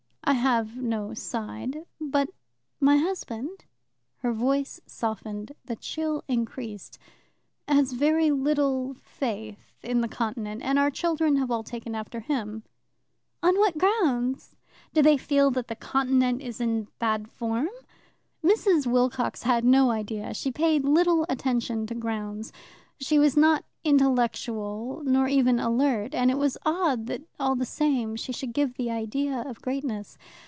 "I have no side. But my husband" her voice softened, the chill increased "has very little faith in the Continent, and our children have all taken after him." "On what grounds? Do they feel that the Continent is in bad form?" Mrs. Wilcox had no idea; she paid little attention to grounds. She was not intellectual, nor even alert, and it was odd that, all the same, she should give the idea of greatness.